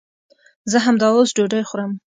زه همداوس ډوډۍ خورم